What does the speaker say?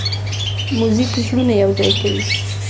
موزیک زړونه یوځای کوي.